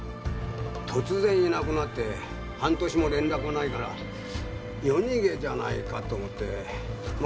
突然いなくなって半年も連絡がないから夜逃げじゃないかと思って家財道具は処分しましたけど。